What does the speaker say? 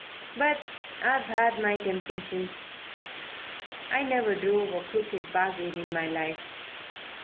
But I've had my temptations. I never drove a crooked bargain in my life."